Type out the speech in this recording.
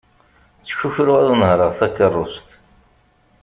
Ttkukruɣ ad nehreɣ takerrust.